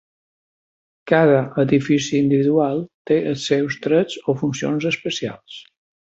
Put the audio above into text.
Cada edifici individual té els seus trets o funcions especials.